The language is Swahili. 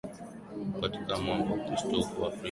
katika mwamba Ukristo uko Afrika katika wingi wa madhehebu